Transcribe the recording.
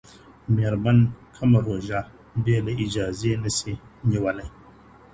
ميرمن کومه روژه بيله اجازې نسي نيولای؟